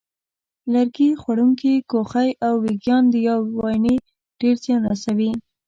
لرګي خوړونکي کوخۍ او وېږیان یا واینې ډېر زیان رسوي.